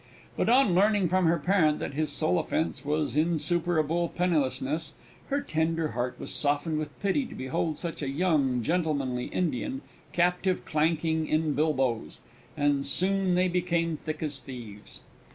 But, on learning from her parent that his sole offence was insuperable pennilessness, her tender heart was softened with pity to behold such a young gentlemanly Indian captive clanking in bilboes, and soon they became thick as thieves.